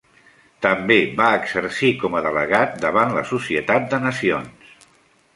També va exercir com a delegat davant la Societat de Nacions.